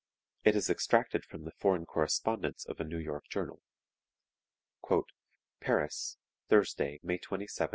It is extracted from the foreign correspondence of a New York journal: "Paris, Thursday, May 27, 1858.